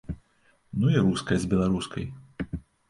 Ну і руская з беларускай.